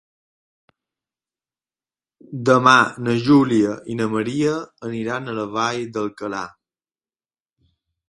Demà na Júlia i na Maria aniran a la Vall d'Alcalà.